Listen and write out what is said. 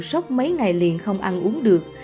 sốc mấy ngày liền không ăn uống được